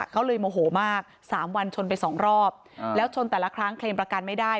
เขาเลยโมโหมาก๓วันชนไปสองรอบแล้วชนแต่ละครั้งเคลมประกันไม่ได้